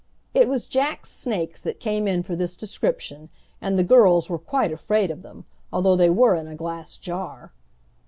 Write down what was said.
It was Jack's snakes that came in for this description, and the girls were quite afraid of them, although they were in a glass jar.